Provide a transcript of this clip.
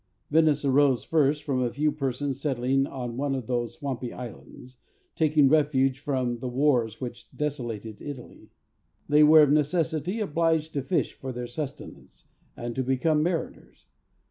Venice arose first from a few persons settling on one of those swampy islands, taking refuge there from the wars which desolated Italy. They were of necessity obliged to fish for their suste¬ nance, and to become mariners.